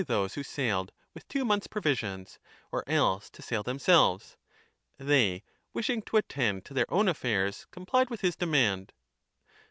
i353 a OECONOMICA those who sailed with two months provisions, or else to sail themselves. They, wishing to attend to their own affairs, complied with his demand.